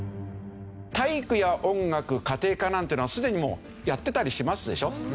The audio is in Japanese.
体育や音楽家庭科なんていうのはすでにもうやってたりしますでしょ？